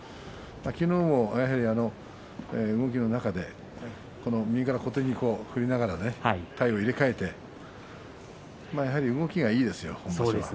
昨日も動きの中で右から小手に振りながら体を入れ替えてまあ、やはり動きがいいですよ。